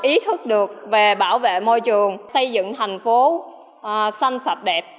ý thức được về bảo vệ môi trường xây dựng thành phố xanh sạch đẹp